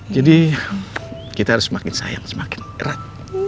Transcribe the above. jadi kita harus semakin sayang semakin erat